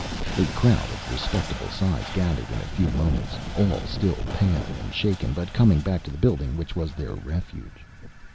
A crowd of respectable size gathered in a few moments, all still pale and shaken, but coming back to the building which was their refuge.